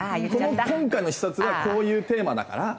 今回の視察はこういうテーマだから。